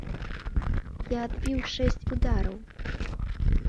Я адбіў шэсць удараў.